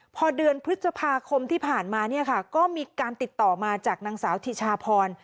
พอเดือนพฤษภาคมที่ผ่านมาเนี่ยค่ะก็มีการติดต่อมาจากนางสาวธิชาพร